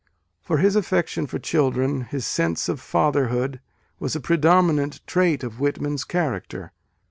For his affection for children, his sense of fatherhood, was a predominant trait of Whitman s character.